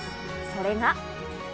それが。